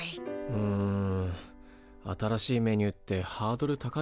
うん新しいメニューってハードル高いよな。